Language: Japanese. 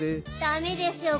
ダメですよ